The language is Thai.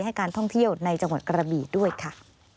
ให้การท่องเที่ยวในจังหวัดกระบี่ด้วยค่ะ